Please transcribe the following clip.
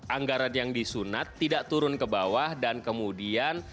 anggaran yang disunat tidak turun ke bawah dan kemudian